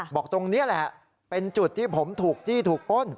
บอกตรงนี้แหละเป็นจุดที่ผมถูกจี้ถูกป้น